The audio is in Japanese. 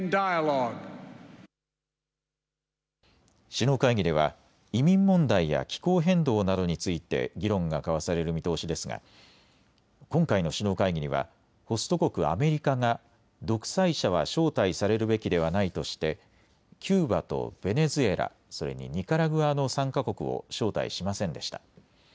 首脳会議では移民問題や気候変動などについて議論が交わされる見通しですが今回の首脳会議にはホスト国アメリカが独裁者は招待されるべきではないとしてキューバとベネズエラ、それにニカラグアの３か国を招待しませんでした。